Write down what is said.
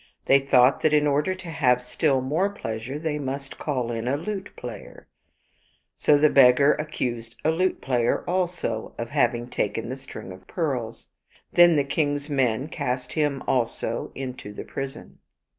They thought that in order to have still more pleasure they must call in a lute player. So the beggar ac cused a lute player also of having taken the string of pearls. Then the king's men cast him also into the prison.